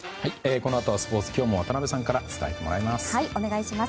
このあとはスポーツ今日も渡辺さんから伝えてもらいます。